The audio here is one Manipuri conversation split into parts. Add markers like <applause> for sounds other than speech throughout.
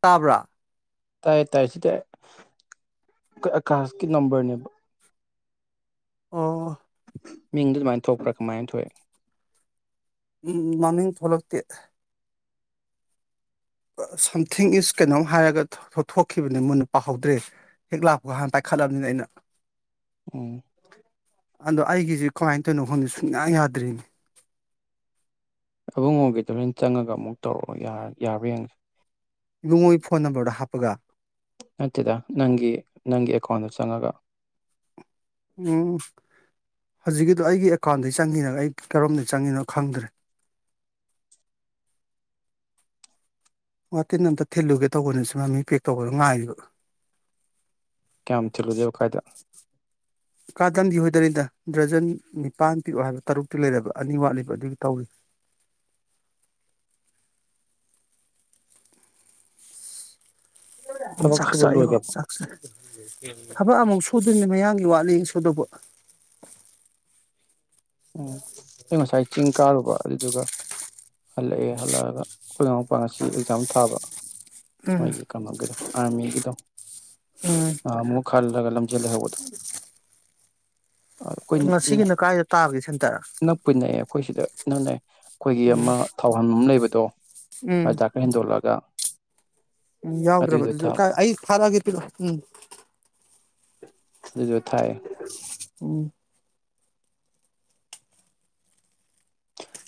ꯇꯥꯕ꯭ꯔꯥ ꯇꯥꯏ ꯇꯥꯏ ꯁꯤ ꯇꯥꯏꯌꯦ ꯑꯈꯣꯏ ꯑꯀꯥꯁꯀꯤ ꯅꯝꯕꯔꯅꯦꯕ ꯑꯣ ꯃꯤꯡꯗꯣ ꯑꯗꯨꯃꯥꯏꯅ ꯊꯣꯛꯄ꯭ꯔꯥ ꯀꯃꯥꯏꯅ ꯊꯣꯛꯏ ꯎꯝ ꯃꯃꯤꯡ ꯊꯣꯂꯛꯇꯦ ꯁꯝꯊꯤꯡ ꯏꯁ ꯀꯩꯅꯣꯝ ꯍꯥꯏꯔꯒ ꯊꯣ ꯊꯣꯛꯈꯤꯕꯅꯦ ꯃꯨꯟꯅ ꯄꯥꯍꯧꯗ꯭ꯔꯦ ꯍꯦꯛ ꯂꯥꯛꯄꯒ ꯍꯥꯟꯅ ꯄꯥꯏꯈꯠꯂꯕꯅꯤꯅ ꯑꯩꯅ ꯎꯝ ꯑꯗꯣ ꯑꯩꯒꯤꯖꯦ ꯀꯃꯥꯏꯅ ꯇꯧꯅꯣ ꯈꯪꯗꯦ ꯁꯨꯡꯌꯥ ꯌꯥꯗ꯭ꯔꯤꯅꯤ ꯑꯕꯨꯡꯉꯣꯒꯤꯗꯣ ꯍꯣꯔꯦꯟ ꯆꯪꯉꯒ ꯑꯃꯨꯛ ꯇꯧꯔꯛꯑꯣ ꯌꯥ ꯌꯥꯕ꯭ꯔꯥ ꯌꯦꯡꯁꯦ ꯏꯕꯨꯡꯉꯣꯒꯤ ꯐꯣꯟ ꯅꯝꯕꯔꯗꯣ ꯍꯥꯞꯄꯒ ꯅꯠꯇꯦꯗ ꯅꯪꯒꯤ ꯅꯪꯒꯤ ꯑꯦꯀꯥꯎꯟꯗꯣ ꯆꯪꯉꯒ ꯎꯝ ꯍꯧꯖꯤꯛꯀꯤꯗꯣ ꯑꯩꯒꯤ ꯑꯦꯀꯥꯎꯟꯗꯩ ꯆꯪꯉꯤꯔ ꯑꯩ ꯀꯔꯣꯝꯗꯩ ꯆꯪꯉꯤꯅꯣ ꯈꯪꯗ꯭ꯔꯦ ꯋꯥꯇꯤꯟ ꯑꯝꯇ ꯊꯤꯜꯂꯨꯒꯦ ꯇꯧꯕꯅꯦ ꯁꯣꯝꯗ ꯃꯤ ꯄꯦꯛ ꯇꯧꯕꯗꯣ ꯉꯥꯏꯔꯤꯕ ꯀꯌꯥꯝ ꯊꯤꯜꯂꯨꯗꯣꯏꯕ ꯀꯥꯏꯗ ꯀꯥꯗꯟꯗꯤ ꯍꯣꯏꯗꯅꯤꯗ ꯗ꯭ꯔꯖꯟ ꯅꯤꯄꯥꯟ ꯄꯤꯔꯛꯑꯣ ꯍꯥꯏꯕ ꯇꯔꯨꯛꯇꯤ ꯂꯩꯔꯕ ꯑꯅꯤ ꯋꯥꯠꯂꯤꯕ ꯑꯗꯨꯒꯤ ꯇꯧꯔꯤ ꯊꯕꯛ ꯑꯣꯝꯆꯥꯛ ꯁꯨꯕ ꯆꯥꯛꯏ ꯂꯣꯏꯈ꯭ꯔꯕꯣ ꯑꯣꯝꯆꯥꯛ ꯊꯕꯛ ꯑꯃꯨꯛ ꯁꯨꯗꯣꯏꯅꯦ ꯃꯌꯥꯡꯒꯤ ꯋꯥꯠꯂꯤ ꯑꯩꯅ ꯁꯨꯗꯧꯕ ꯑꯩ ꯉꯁꯥꯏ ꯆꯤꯡ ꯀꯥꯔꯨꯕ ꯑꯗꯨꯗꯨꯒ ꯍꯜꯂꯛꯑꯦ ꯍꯜꯂꯛꯑꯒ ꯑꯩꯈꯣꯏ ꯏꯅꯥꯎꯄꯥ ꯉꯁꯤ ꯑꯦꯛꯖꯥꯝ ꯊꯥꯕ ꯎꯝ ꯃꯣꯏꯒꯤ ꯀꯃꯥ ꯀꯩꯅꯣ ꯑꯔꯃꯤꯒꯤꯗꯣ ꯎꯝ ꯅꯍꯥꯟꯃꯨꯛ ꯈꯜꯂꯒ ꯂꯝꯖꯦꯜ ꯂꯩꯍꯧꯕꯗꯣ ꯉꯁꯤꯒꯤꯅ ꯀꯥꯏꯗ ꯇꯥꯒꯦ ꯁꯦꯟꯇꯔ ꯅꯛꯄꯨꯗꯤ ꯅꯛꯑꯦ ꯑꯩꯈꯣꯏ ꯁꯤꯗ ꯏꯅꯛ ꯅꯛꯑꯦ ꯑꯩꯈꯣꯏꯒꯤ ꯎꯝ ꯑꯃ ꯊꯥꯎꯍꯟꯐꯝ ꯑꯃ ꯂꯩꯕꯗꯣ ꯎꯝ ꯑꯗ ꯍꯦꯟꯗꯣꯛꯂꯒ ꯎꯝ ꯌꯥꯎꯗ꯭ꯔꯕ ꯑꯗꯨꯏꯗꯣ ꯑꯗꯨꯁꯨ ꯊꯥ ꯑꯩ ꯐꯥꯔꯑꯒꯦ ꯄꯤꯔꯛꯎ ꯑꯗꯨꯁꯨ ꯊꯥꯏ ꯎꯝ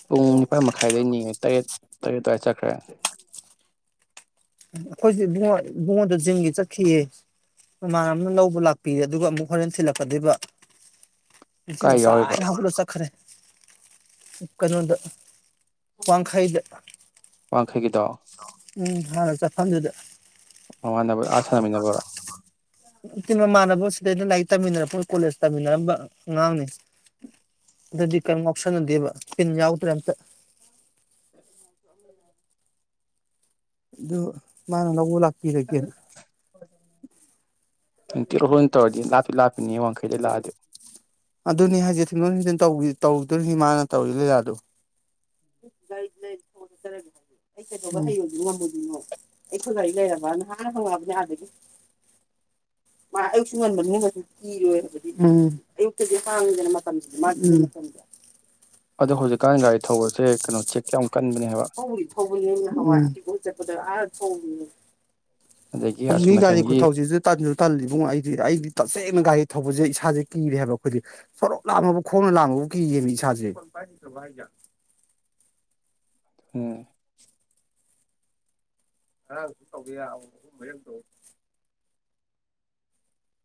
ꯄꯨꯡ ꯅꯤꯄꯥꯥꯟ ꯃꯈꯥꯏꯗꯒꯤꯅꯤ ꯇꯔꯦꯠ ꯇꯔꯦꯠ ꯑꯗꯨꯋꯥꯏꯗ ꯆꯠꯈ꯭ꯔꯦ ꯑꯩꯈꯣꯏꯁꯨ ꯏꯕꯨꯡꯉꯤ ꯏꯕꯨꯡꯉꯣꯟꯗꯣ ꯖꯤꯝꯒꯤ ꯆꯠꯈꯤꯑꯦ ꯫ ꯃꯃꯥꯟꯅꯕꯅ ꯂꯧꯕ ꯂꯥꯛꯄꯤꯔꯦ ꯑꯗꯨꯒ ꯑꯃꯨꯛ ꯍꯣꯔꯦꯟ ꯊꯤꯜꯂꯛꯀꯗꯣꯏꯕ ꯫ ꯀꯥꯏ ꯌꯥꯎꯔꯤꯕ ꯉꯁꯥꯏꯅ ꯍꯧꯒꯠꯂ ꯆꯠ ꯈꯔꯦ ꯀꯩꯅꯣꯗ ꯋꯥꯡꯈꯩꯗ ꯋꯥꯡꯈꯩꯒꯤꯗꯣ ꯎꯝ ꯍꯥꯟꯅ ꯆꯠꯐꯝꯗꯨꯗ ꯃꯃꯥꯟꯅꯕ ꯑꯥ ꯁꯥꯟꯅꯃꯤꯟꯅꯕ꯭ꯔꯣ ꯅꯠꯇꯦ ꯃꯃꯥꯟꯅꯕ ꯁꯤꯗꯩꯗ ꯂꯥꯏꯔꯤꯛ ꯇꯝꯃꯤꯟꯅꯔ ꯄꯨꯟ ꯀꯣꯂꯦꯖ ꯇꯥꯃꯤꯟꯅꯔꯝꯕ ꯑꯉꯥꯡꯅꯤ ꯫ ꯑꯗꯨꯗꯤ ꯀꯔꯝ ꯉꯥꯎꯁꯟꯅꯗꯦꯕ ꯄꯤꯟ ꯌꯥꯎꯗ꯭ꯔꯦ ꯑꯝꯇ ꯫ ꯑꯗꯨ ꯃꯥꯅ ꯂꯧꯕ ꯂꯛ <unintelligible> ꯅꯨꯡꯇꯤ ꯇꯧꯗꯤ ꯂꯥꯛꯞꯄꯤ ꯂꯥꯛꯞꯄꯤꯅꯤ ꯋꯥꯡꯈꯩꯗ ꯂꯥꯛꯑꯗꯤ ꯫ ꯑꯗꯨꯅꯤ ꯍꯥꯏꯁꯦ ꯊꯤꯟꯗꯣꯛ ꯊꯤꯡꯖꯤꯟ ꯇꯧꯗꯣꯏꯔꯤꯅꯤ ꯃꯥꯅ ꯇꯧꯔꯤ ꯂꯤꯂꯥꯗꯣ <unintelligible> ꯑꯩꯈꯣꯏꯒꯥꯔꯤ ꯂꯩꯔꯕꯅ ꯅꯍꯥꯟ ꯍꯪꯕꯅꯦ ꯑꯗꯒ <inaudible> ꯃꯥ ꯑꯌꯨꯛꯁꯨ ꯉꯟꯕꯅꯦ ꯏꯔꯣꯏ ꯍꯥꯏꯕꯗꯤ ꯑꯌꯨꯛꯇꯗꯤ ꯍꯥꯡꯗꯦꯅ ꯃꯇꯝꯁꯤꯗꯤ ꯃꯥꯒꯤ ꯃꯇꯝꯗ ꯑꯗꯣ ꯍꯧꯖꯤꯛꯀꯥꯟ ꯒꯥꯔꯤ ꯊꯧꯕꯁꯦ ꯀꯩꯅꯣ ꯆꯦꯛꯛꯇ ꯌꯥꯝ ꯀꯟꯕꯅꯦ ꯍꯥꯏꯕ ꯫ ꯊꯧꯕꯨꯗꯤ ꯊꯧꯕꯅꯦ ꯅꯍꯥꯟꯍꯋꯥꯏ ꯒꯣꯜ ꯆꯠꯄꯗ ꯑꯥ ꯊꯧꯏꯅꯦ ꯑꯗꯒꯤ ꯍꯧꯖꯤꯛꯀꯤ ꯑꯁꯣꯝ ꯒꯥꯔꯤ ꯅꯥꯀꯟꯒꯤ ꯈꯨꯊꯥꯎꯁꯤꯁꯨ ꯇꯟꯁꯨ ꯇꯜꯂꯤꯏꯕꯨꯡꯉꯣ ꯑꯩꯗꯤ ꯑꯩꯗꯤ ꯇꯁꯦꯡꯅ ꯒꯥꯔꯤ ꯊꯧꯕꯁꯦ ꯏꯁꯥꯁꯦ ꯀꯤꯔꯦ ꯍꯥꯏꯕ ꯑꯩꯈꯣꯏꯗꯤ ꯫ ꯁꯣꯔꯣꯛ ꯂꯥꯡꯕꯐꯧ ꯈꯣꯡꯅ ꯂꯥꯡꯕꯐꯧ ꯀꯤꯔꯦꯃꯤ ꯏꯁꯥꯁꯦ ꯫ ꯎꯝ ꯉꯔꯥꯡꯁꯨ ꯇꯧꯕꯤ ꯌꯥꯅꯦ ꯍꯣꯔꯦꯟ ꯇꯧ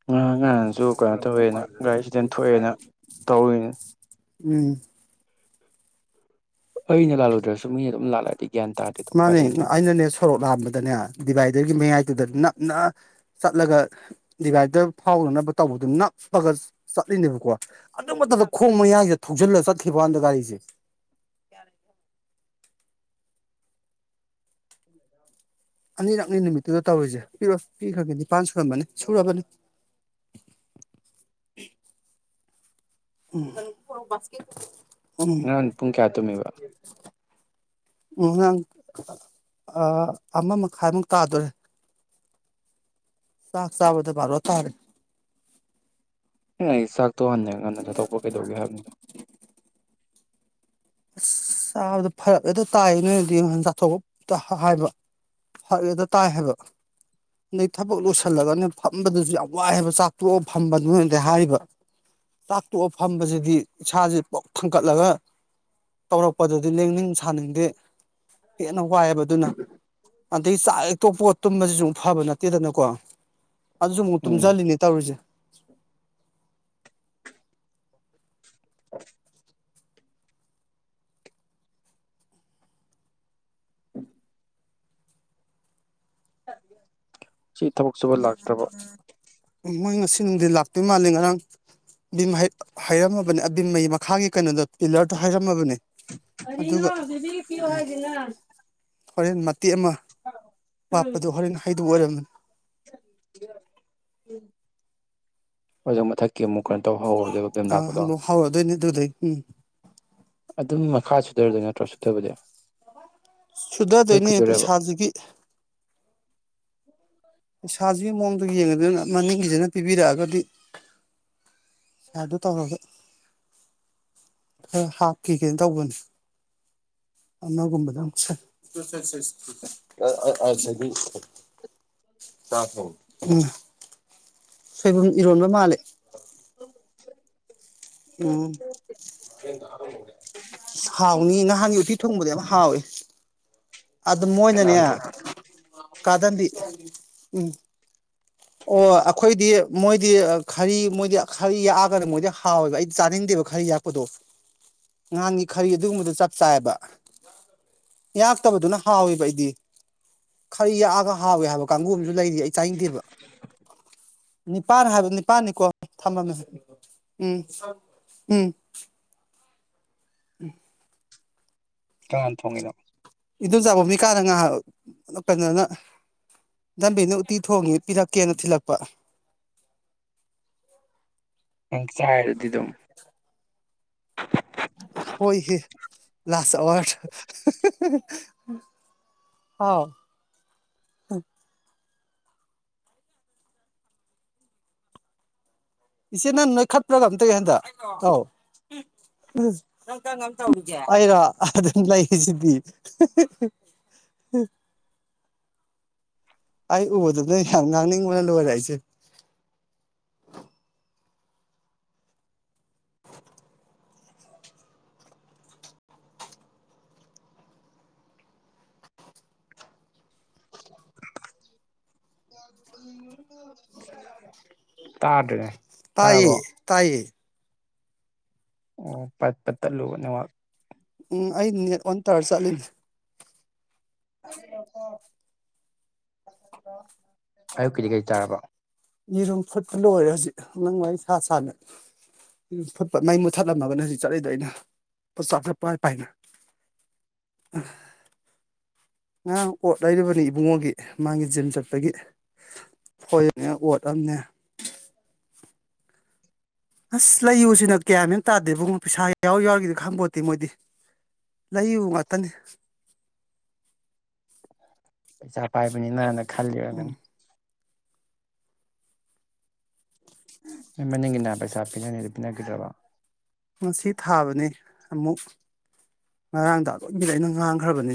ꯉꯔꯥꯟ ꯉꯍꯥꯟꯁꯨ ꯀꯩꯅꯣ ꯇꯧꯋꯦꯅ ꯒꯥꯔꯤ ꯑꯦꯛꯁꯤꯗꯦꯟ ꯊꯣꯛꯑꯦꯅ ꯇꯧꯔꯤꯅꯦ ꯫ ꯎꯝ ꯑꯩꯅ ꯂꯥꯜꯂꯨꯗ꯭ꯔꯁꯨ ꯃꯤꯅ ꯑꯗꯨꯝ ꯂꯥꯜꯂꯗꯤ ꯃꯥꯅꯦ ꯑꯩꯅꯅꯦ ꯁꯧꯔꯣꯛ ꯂꯥꯟꯕꯗꯅꯦ ꯗꯤꯚꯥꯏꯗꯔꯒꯤ ꯃꯌꯥꯏꯗꯨꯨꯗ ꯅꯞꯅ ꯆꯠꯂꯒ ꯗꯤꯚꯥꯏꯗꯔ ꯐꯥꯎꯗꯅꯕ ꯇꯧꯕꯗꯨ ꯅꯞꯄꯒ ꯆꯠꯂꯤꯅꯦꯕꯀꯣ ꯑꯗꯨ ꯃꯇꯝꯗ ꯈꯣꯡ ꯃꯌꯥꯡꯁꯦ ꯊꯧꯖꯤꯜꯂꯒ ꯆꯠꯈꯤꯕ ꯍꯥꯟꯗ ꯒꯥꯔꯤꯁꯦ ꯫ <inaudible> ꯑꯅꯤꯔꯛꯅꯤ ꯅꯨꯃꯤꯠꯇꯨꯗ ꯇꯧꯔꯤꯁꯦ ꯄꯤꯔꯣ ꯄꯤꯈ꯭ꯔꯒꯦ ꯅꯤꯄꯥꯟ ꯁꯨꯔꯝꯕꯅꯤ ꯁꯨꯔꯕꯅꯤ ꯫ ꯎꯝ ꯎꯝ ꯉꯔꯥꯡ ꯄꯨꯡ ꯀꯌꯥ ꯇꯨꯝꯃꯤꯕ ꯉꯔꯥꯡ ꯑꯃ ꯃꯈꯥꯏꯃꯨꯛ ꯇꯥꯗꯣꯔꯦ ꯆꯥꯛ ꯆꯥꯕꯗ ꯕꯔꯣ ꯇꯥꯔꯦ꯫ ꯑꯩꯅ ꯍꯥꯏꯗꯤ ꯆꯥꯛꯇꯣ ꯍꯟꯅ ꯉꯟꯂꯤ ꯀꯟꯗ ꯆꯠꯊꯣꯛꯄ ꯀꯩꯗꯧꯒꯦꯕ ꯍꯥꯏꯕꯅꯤꯗ ꯫ ꯏꯁ ꯆꯥꯕꯗ ꯐꯔꯛ ꯍꯦꯛꯇ ꯇꯥꯏ ꯅꯣꯏꯅꯗꯤ ꯍꯥꯟ ꯆꯥꯊꯣꯛꯎ ꯇ ꯍꯥꯏꯕ ꯐꯔꯛ ꯖꯦꯛꯇ ꯇꯥꯏ ꯍꯥꯏꯕ ꯑꯗꯩ ꯊꯕꯛ ꯂꯣꯏꯁꯤꯜꯂꯒꯅꯦ ꯐꯝꯕꯗꯁꯨ ꯌꯥꯝ ꯋꯥꯏ ꯍꯥꯏꯕ ꯆꯥꯛꯇꯣꯛꯑꯒ ꯐꯝꯕ ꯅꯣꯐꯅꯗꯤ ꯈꯪꯗ꯭ꯔꯤꯕ ꯆꯥꯛ ꯇꯣꯛꯑ ꯐꯝꯕꯖꯤꯗꯤ ꯏꯁꯥꯥꯖꯦ ꯄꯨꯛ ꯊꯟꯀꯠꯂꯒ ꯇꯧꯔꯛꯄꯗꯨꯗꯤ ꯂꯦꯡꯅꯤꯡ ꯁꯥꯅꯤꯡꯗꯦ ꯍꯦꯟꯅ ꯋꯥꯏꯑꯕ ꯑꯗꯨꯅ ꯑꯗꯩ ꯆꯥꯛ ꯍꯦꯛ ꯇꯣꯛꯄꯒ ꯇꯨꯝꯕꯁꯤꯁꯨ ꯑꯃꯨꯛ ꯐꯕ ꯅꯠꯇꯦꯗꯅꯀꯣ ꯑꯗꯨꯁꯨ ꯑꯃꯨꯛ ꯎꯝ ꯇꯨꯝꯖꯜꯂꯤꯅꯤ ꯇꯧꯔꯤꯖꯦ <unintelligible> ꯁꯤ ꯊꯕꯛ ꯁꯨꯕ ꯂꯥꯛ ꯃꯣꯏ ꯉꯁꯤ ꯅꯨꯡꯗꯤꯜ ꯂꯥꯛꯇꯨꯏ ꯃꯥꯜꯂꯦ ꯉꯔꯥꯡ ꯕꯤꯝ ꯍꯩ ꯍꯩꯔꯝꯃꯕꯅꯦ ꯑꯕꯤꯝ ꯑꯌꯦ ꯃꯈꯥꯒꯤ ꯀꯩꯅꯣꯗꯣ ꯄꯤꯂꯔꯗꯣ ꯍꯩꯔꯝꯃꯕꯅꯦ ꯀꯔꯤꯅꯣ ꯑꯗꯨꯒ ꯕꯦꯕꯤ ꯄꯤꯌꯣ ꯍꯥꯏꯁꯤꯅ ꯍꯣꯔꯦꯟ ꯃꯇꯦꯛ ꯑꯃꯥ ꯋꯥꯠꯄꯗꯣ ꯍꯣꯔꯦꯟ ꯍꯩꯗꯧ ꯑꯣꯏꯔꯝꯃ‌ꯦ <unintelligible> ꯑꯣꯖ ꯃꯊꯛ ꯀꯤꯃꯨꯛ ꯀꯩꯅ ꯇꯧ ꯍꯧꯔꯗꯣꯏꯕ ꯚꯤꯝ ꯂꯥꯛꯄꯗ‌ꯣ ꯍꯧꯔꯗꯣꯏꯅꯦ ꯑꯗꯨꯗꯩ ꯎꯝ ꯑꯗꯨꯝ ꯃꯈꯥ ꯁꯨꯊꯔꯗꯨꯏ ꯅꯠꯇ꯭ꯔꯣ ꯁꯨꯊꯕꯗꯤ ꯁꯨꯗꯗꯣꯏꯅꯦ ꯂꯦꯞꯈꯤꯗꯣꯔꯦꯕ ꯄꯩꯁꯥꯖꯤꯒꯤ ꯄꯩꯁꯥꯖꯤꯒꯤ ꯃꯑꯣꯡꯗ ꯌꯦꯡꯉ‌ꯦꯗꯨꯅ ꯃꯅꯤꯡꯒꯤꯖꯤꯅ ꯄꯤꯕꯤꯔꯛꯑꯒꯗꯤ ꯄꯩꯁꯥ ꯗꯨ ꯇꯧꯔꯒ ꯈꯔ ꯍꯥꯞꯈꯤꯒꯦꯅ ꯇꯧꯕꯅꯤ ꯑꯒꯨꯝꯕꯗꯪ ꯁꯠ <unintelligible> <unintelligible> ꯁꯣꯏꯕꯨꯝ ꯏꯔꯣꯟꯕ ꯃꯥꯜꯂꯦ ꯑꯣꯐ <unintelligible> ꯎꯝ <unintelligible> ꯑꯁ ꯍꯥꯎꯅꯤꯌꯦ ꯅꯍꯥꯟꯒꯤ ꯎꯇꯤ ꯊꯣꯡꯕꯗꯣ ꯌꯥꯝ ꯍꯥꯎꯋꯦ ꯑꯗꯨ ꯃꯣꯏꯅꯅꯦ ꯀꯅꯥꯅ ꯊꯣꯡꯉꯤ ꯀꯥꯗꯟꯗꯤ ꯎꯝ ꯑꯣ ꯑꯩꯈꯣꯏꯗꯤ ꯃꯣꯏꯗꯤ ꯈꯔꯤ ꯃꯣꯏꯗꯤ ꯈꯔꯤ ꯌꯥꯛꯑꯒꯅ ꯃꯣꯏꯗꯤ ꯍꯥꯎꯋꯦꯕ ꯑꯩꯗꯤ ꯆꯥꯅꯤꯡꯗꯦꯕ ꯈꯔꯤ ꯌꯥꯛꯄꯗꯣ <inaudible> ꯉꯍꯥꯟꯒꯤ ꯈꯔꯤ ꯑꯗꯨꯒꯨꯝꯕꯗꯨ ꯆꯞ ꯆꯥꯏꯕ ꯌꯥꯛꯇꯕꯗꯨꯅ ꯍꯥꯎꯋꯦꯕ ꯑꯩꯗꯤ ꯈꯔꯤ ꯌꯥꯛꯑꯒ ꯍꯥꯎꯋꯦ ꯍꯥꯏꯕ ꯀꯥꯡꯒꯨ ꯑꯝꯖꯨ ꯂꯩꯔꯤ ꯑꯩ ꯆꯥꯅꯤꯡꯗꯦꯕ ꯅꯤꯄꯥꯟ ꯍꯥꯏꯕꯗꯣ ꯅꯤꯄꯟꯅꯤꯀꯣ ꯊꯃꯝꯃꯦ ꯎꯝ ꯎꯝ ꯎꯝ ꯀꯅꯥꯟ ꯊꯣꯡꯉꯤꯅꯣ ꯏꯟꯗꯣꯝꯆꯥꯥ ꯚꯨꯃꯤꯀꯥꯅ ꯉꯍꯥꯛ ꯀꯩꯅꯣꯅ ꯗꯟꯕ‌ꯦꯝꯅ ꯎꯇꯤ ꯊꯣꯡꯉꯤ ꯄꯤꯔꯛꯀꯦꯅ ꯊꯤꯜꯂꯛꯄ ꯅꯪ ꯆꯥꯏꯔꯗꯤ ꯗꯨꯝ ꯍꯣꯏ ꯍꯦ ꯂꯥꯁ ꯑꯋꯥꯔ <unintelligible> ꯍꯥꯎ ꯏꯆꯦ ꯅꯪ ꯅꯣꯏꯈꯠꯄ꯭ꯔꯥ ꯀꯩꯅꯣꯝ ꯇꯧꯋꯦ ꯍꯟꯗꯛ ꯑꯩꯔ‌ꯣ ꯑꯥꯎ ꯅꯪ ꯀꯔꯝ ꯀꯔꯝ ꯇꯧꯔꯤꯒꯦ ꯑꯩꯔꯣ ꯑꯗꯨꯝ ꯂꯩꯖꯤꯗꯤ ꯑꯩ ꯎꯕꯗ ꯅꯣꯏ ꯌꯥꯝ ꯉꯥꯡꯅꯤꯡꯕꯅ ꯂꯣꯏꯔꯦ ꯑꯩꯁꯦ <unintelligible> ꯇꯥꯗ꯭ꯔꯦ ꯇꯥꯏꯌꯦ ꯇꯥꯏꯌꯦ ꯑꯣ ꯄꯠ ꯄꯠ ꯇꯠꯂꯨꯕ ꯅꯦꯠꯋꯛ ꯎꯝ ꯑꯩ ꯅꯦꯠ ꯑꯣꯟ ꯇꯧꯔ ꯆꯠꯂꯤꯅꯦ <unintelligible> ꯑꯌꯨꯛꯀꯤꯗꯤ ꯀꯩ ꯆꯥꯔꯕ ꯌꯦꯔꯨꯝ ꯐꯨꯠꯄ ꯂꯣꯏꯔꯦ ꯍꯧꯖꯤꯛ ꯅꯪ ꯋꯥꯔꯤ ꯁꯥ ꯁꯥꯅ ꯎꯝ ꯐꯨꯠꯄ ꯃꯩ ꯃꯨꯠꯊꯠꯂꯝꯃꯒꯅꯦ ꯍꯧꯖꯤꯛ ꯆꯠꯂꯤꯗꯣ ꯑꯩꯅ ꯄꯣꯠ ꯆꯥꯛ ꯄꯥꯏ ꯄꯥꯏꯅ ꯑ ꯉꯔꯥꯡ ꯑꯣꯠ ꯂꯩꯔꯨꯕꯅꯤ ꯏꯕꯨꯡꯉꯣꯒꯤ ꯃꯥꯒꯤ ꯖꯤꯝ ꯆꯠꯄꯒꯤ ꯍꯣꯏ ꯑꯝꯅꯦ ꯑꯣꯠꯑꯝꯅꯦ ꯑꯁ ꯂꯩꯌꯨꯁꯤꯅ ꯒ꯭ꯌꯥꯟꯃ‌ꯦꯟ ꯇꯥꯗꯦ ꯏꯕꯨꯡꯉ‌ꯣ ꯄꯩꯁꯥ ꯌꯥꯎꯔꯤ ꯌꯥꯎꯔꯤꯒꯦꯗꯤ ꯈꯪꯄ‌ꯣꯟꯇꯦ ꯃꯣꯏꯗꯤ ꯂꯩꯌꯨ ꯉꯥꯛꯇꯅꯤ ꯄꯩꯁꯥ ꯄꯥꯏꯕꯅꯤ ꯅꯥꯅ ꯈꯜꯂꯤ ꯑꯣꯏꯔꯝꯒꯅꯤ ꯅ‌ꯣꯏ ꯃꯅꯤꯡꯒꯤꯅ ꯄꯩꯁꯥ ꯄꯤꯅꯅꯤꯗ‌ꯣ ꯄꯤꯅꯈꯤꯗ꯭ꯔꯕ‌ꯣ ꯉꯁꯤ ꯊꯥꯕꯅꯦ ꯑꯃꯨꯛ ꯉꯔꯥꯡꯗ ꯑꯔ‌ꯣꯏꯕꯤꯗ ꯑꯩꯅ ꯉꯥꯡꯈ꯭ꯔꯕꯅꯤ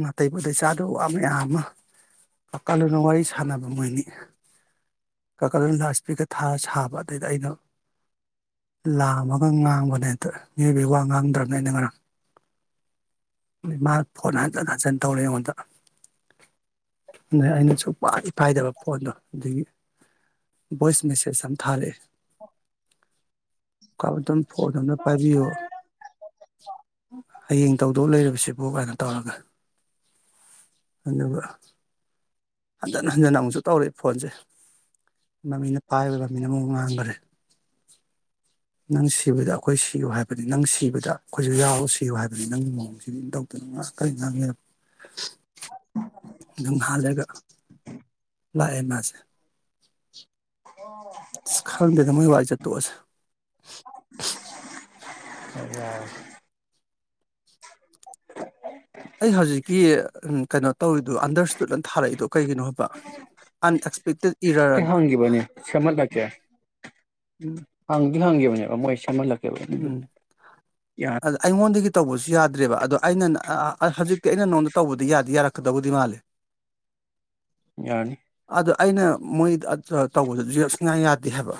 ꯅꯥꯇꯩꯕꯨꯇꯩꯩ ꯆꯥꯗ ꯋꯥ ꯃꯌꯥꯝ ꯑꯃ ꯑꯀꯜꯂꯣꯟꯅ ꯋꯥꯔꯤ ꯁꯥꯟꯅꯕ ꯃꯣꯏꯅꯤ ꯀꯥꯀꯥꯂꯣꯟ ꯂ ꯏꯁꯄꯤꯛꯀ ꯊ ꯁꯥꯕ ꯑꯗꯩꯗ ꯑꯩꯅꯣ ꯂꯥꯝꯃꯒ ꯉꯥꯡꯕꯅꯦ ꯍꯇ ꯃꯤꯑꯣꯏꯕꯒꯤ ꯋꯥ ꯉꯥꯡꯗ꯭ꯔꯕꯅꯦ ꯑꯩꯅ ꯉꯔꯥꯡ ꯃꯥ ꯐꯣꯟ ꯍꯟꯆꯟ ꯍꯟꯆꯟ ꯇꯧꯔꯦ ꯑꯩꯉꯣꯟꯗ ꯅ ꯑꯩꯅ ꯁꯨꯡꯄ ꯏꯄꯥꯏꯗꯕ ꯐꯣꯟꯗꯣ ꯑꯗꯨꯗꯒꯤ ꯚꯣꯏꯁ ꯃꯦꯁꯦꯖ ꯑꯃ ꯊꯥꯔꯛꯑꯦ ꯀꯥꯇꯝ ꯐꯣꯟꯗꯅ ꯄꯥꯏꯕꯤꯌꯣ ꯍꯌꯦꯡ ꯇꯧꯗꯧ ꯂꯩꯁꯤꯕꯥꯎ ꯀꯥꯏꯅ ꯇꯧꯔꯒ ꯑꯗꯨꯒ ꯍꯟꯖꯤꯟ ꯍꯟꯖꯤꯟ ꯑꯃꯨꯛꯁꯨ ꯇꯧꯔꯛꯏ ꯐꯣꯟꯁꯦ ꯃꯃꯤꯅ ꯄꯥꯏꯕ ꯃꯃꯤꯅ ꯑꯃꯨꯛ ꯉꯥꯡꯈꯔꯦ <unintelligible> ꯅꯪ ꯁꯤꯕꯗ ꯑꯩꯈꯣꯏ ꯁꯤꯌꯨ ꯍꯥꯏꯕꯅꯤ ꯅꯪ ꯁꯤꯕꯗ ꯑꯩꯈꯣꯏꯁꯨ ꯌꯥꯎꯨ ꯁꯤꯌꯨ ꯍꯥꯏꯕꯅꯤ ꯅꯪꯒꯤ ꯃꯑꯣꯡꯁꯤꯗꯤꯝꯇꯧ ꯑꯗꯨ ꯐꯅꯦ <unintelligible> ꯑꯗꯨꯝ ꯍꯂꯒ ꯂꯥꯛꯑꯦ ꯃꯥꯁꯦ ꯑꯣ ꯈꯪꯗꯦꯗ ꯃ ꯋꯥꯔꯤ ꯆꯠ ꯇꯣꯁ ꯑ ꯑꯩ ꯍꯧꯖꯤꯛꯀꯤ ꯎ ꯀꯩꯅꯣ ꯇꯧꯔꯤꯗꯨꯣ ꯑꯟꯗꯔꯁꯇꯨꯠꯅ ꯊꯥꯔꯛꯏꯗꯣ ꯀꯩꯒꯤꯅꯣ ꯍꯥꯏꯕ ꯑꯟꯑꯛꯁꯄꯦꯛꯇꯦꯠ ꯏꯔꯔꯅ ꯁꯃ ꯂꯀꯦ ꯎꯝ ꯍꯥꯡꯗꯤ ꯍꯥꯡꯈꯤꯕꯅꯦ ꯃꯣꯏ ꯁꯝꯍꯜꯂꯛꯦ ꯎꯝ ꯑꯗ ꯑꯩꯉꯣꯟꯗꯒꯤ ꯇꯧꯕꯁꯨ ꯌꯥꯗ꯭ꯔꯦꯕ ꯑꯗꯣ ꯑꯩꯅ ꯍꯧꯖꯤꯛꯇꯤ ꯑꯩꯅ ꯅꯉꯣꯟꯗ ꯇꯧꯕꯗꯤ ꯌꯥꯗꯦ ꯌꯥꯔꯛꯀꯗꯕꯨꯗꯤ ꯃꯥꯜꯂꯦ ꯌꯥ ꯑꯗ ꯑꯩꯅ ꯃꯣꯏ ꯇꯧꯕꯗꯨꯁꯨꯁꯉꯥꯏ ꯌꯥꯗꯦ ꯍꯥꯏꯕ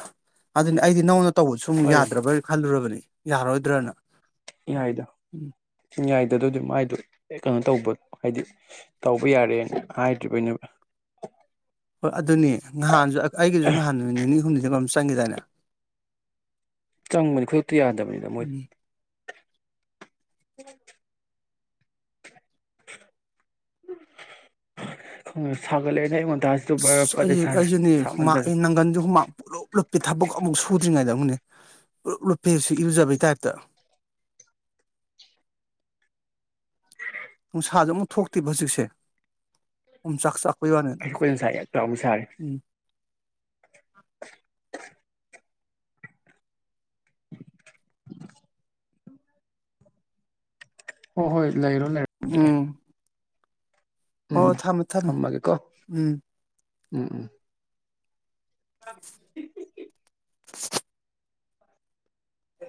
ꯑꯗꯨꯅꯤ ꯑꯩꯗꯤ ꯅꯧꯅ ꯇꯧꯕꯁꯨ ꯑꯃꯨꯛ ꯍꯣꯏ ꯌꯥꯗ꯭ꯔꯕ꯭ꯔ ꯈꯜꯂꯨꯔꯕꯅꯤ ꯌꯥꯔꯣꯏꯗ꯭ꯔꯅ ꯏꯌꯥꯏꯗ ꯎꯝ ꯏꯌꯥꯏꯗ ꯑꯗꯨꯗꯤ ꯃꯥꯏꯗꯣ ꯀꯩꯅꯣ ꯇꯧꯕ ꯍꯥꯏꯗꯤ ꯇꯧꯕ ꯌꯥꯔꯦꯅ ꯍꯥꯏꯗ꯭ꯔꯤꯕꯩꯅꯦꯕ ꯍꯣꯏ ꯑꯗꯨꯅꯤ ꯅꯍꯥꯟꯁꯨ ꯑꯩꯒꯤꯁꯨ ꯅꯍꯥꯟ ꯅꯨꯃꯤꯠ ꯅꯤꯅꯤ ꯍꯨꯝꯅꯤꯗꯝ ꯆꯪꯈꯤꯦꯗꯥꯏꯅꯦ ꯆꯪꯕꯅꯤ ꯈꯨꯗꯛꯇ ꯌꯥꯗꯕꯅꯤꯅ ꯃꯣꯏꯗꯤ ꯁꯒ ꯂꯩꯅ ꯑꯩꯉꯣꯟꯗ ꯑꯩ ꯑꯩꯁꯨꯅꯦꯨꯃ ꯅꯪꯒꯟꯗꯨ ꯍꯨꯃꯥꯡ ꯄꯨꯂꯞꯞ ꯊꯕꯛ ꯑꯃꯨꯛ ꯁꯨꯗ꯭ꯔꯤꯉꯩꯗ ꯑꯃꯨꯅꯦ ꯄꯨꯂꯞ ꯂꯨꯞꯞꯄꯦꯁꯤ ꯏꯔꯨꯖꯕꯩ ꯇꯥꯏꯞꯇ ꯅꯨꯡꯁꯥꯁꯨ ꯑꯃꯨꯛ ꯊꯣꯛꯇꯦꯕ ꯍꯧꯖꯤꯛꯁꯦ ꯑꯣꯝ ꯆꯈ ꯆꯐꯣꯏꯕꯅ ꯑꯩꯁꯨ ꯑꯩꯈꯣꯏ ꯉꯁꯥꯏ ꯌꯥꯝ ꯆꯥꯎꯅ ꯁꯥꯔꯦ ꯎꯝ <unintelligible> ꯍꯣꯏ ꯍꯣꯏ ꯂꯩꯔꯣ ꯂꯩꯔ ꯎꯝ ꯎꯝ ꯍꯣꯏ ꯊꯝꯃꯦ ꯊꯝꯃꯦ ꯊꯝꯃꯒꯦꯀꯣ ꯎꯝ ꯎꯝ ꯎꯝ <unintelligible> ꯍ